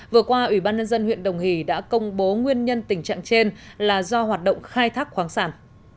vừa qua ủy ban nhân dân huyện đồng hì đã công bố nguyên nhân tình trạng trên là do hoạt động khai thác khoáng sản